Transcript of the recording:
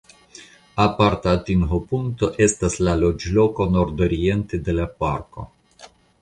Aparta atingopunkto estas la loĝloko nordoriente de la parko.